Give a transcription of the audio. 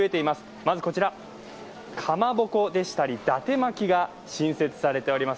まずこちら、かまぼこでしたりだて巻きが新設されております。